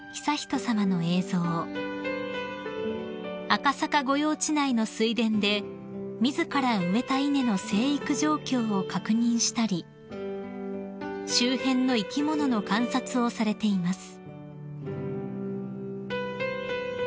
［赤坂御用地内の水田で自ら植えた稲の生育状況を確認したり周辺の生き物の観察をされています］